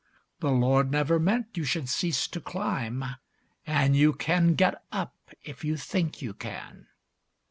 The Lord never meant you should cease to climb, And you can get up if you think you can.